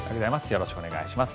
よろしくお願いします。